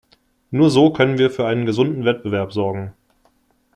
Nur so können wir für einen gesunden Wettbewerb sorgen.